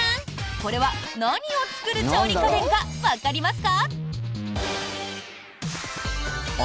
これは何を作る調理家電かわかりますか？